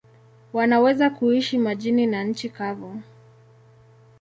Wanaweza kuishi majini na nchi kavu.